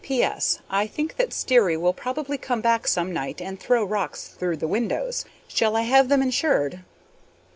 P.S. I think that Sterry will probably come back some night and throw rocks through the windows. Shall I have them insured?